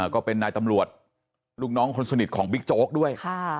ก็เป็นนายตำรวจลูกน้องคนสนิทของบิ๊กโจ๊กด้วย